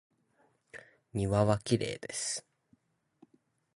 庭はきれいです。